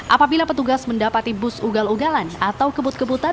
apabila petugas mendapati bus ugal ugalan atau kebut kebutan